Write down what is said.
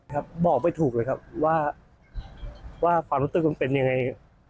บอกไม่ถูกเลยครับว่าความรู้สึกมันเป็นยังไง